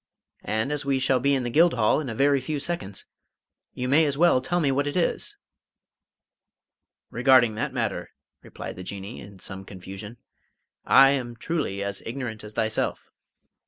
And, as we shall be in the Guildhall in a very few seconds, you may as well tell me what it is!" "Regarding that matter," replied the Jinnee, in some confusion, "I am truly as ignorant as thyself."